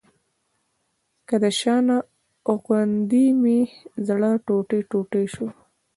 که د شانه غوندې مې زړه ټوټې ټوټې شو.